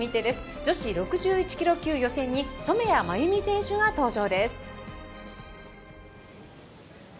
女子６１ｋｇ級予選に染谷真有美選手が登場です。